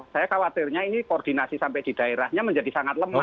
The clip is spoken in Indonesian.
saya khawatirnya ini koordinasi sampai di daerahnya menjadi sangat lemah